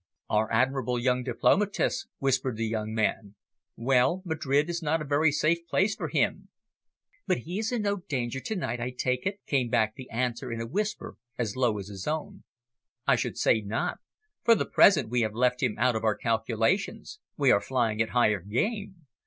"Our admirable young diplomatist!" whispered the young man. "Well, Madrid is not a very safe place for him." "But he is in no danger to night I take it?" came back the answer in a whisper as low as his own. "I should say not. For the present, we have left him out of our calculations; we are flying at higher game.